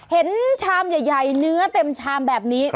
ชามใหญ่เนื้อเต็มชามแบบนี้